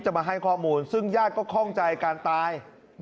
มาให้ข้อมูลซึ่งญาติก็คล่องใจการตาย